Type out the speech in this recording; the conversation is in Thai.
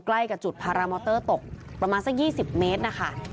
ใกล้กับจุดพารามอเตอร์ตกประมาณสัก๒๐เมตรนะคะ